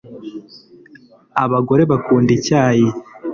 Abagore bakunda icyayi